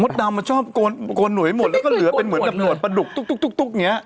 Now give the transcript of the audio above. มดดำมันชอบโกนโกนหนวดให้หมดแล้วก็เหลือเป็นเหมือนแบบหนวดปลาดุกตุ๊กตุ๊กเนี้ย